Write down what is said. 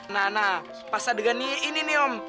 nah nah pas adegan ini nih om